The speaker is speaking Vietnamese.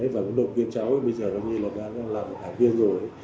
và đồng kiên cháu bây giờ nó như là đã làm thả viên rồi